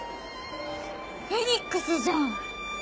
フェニックスじゃん！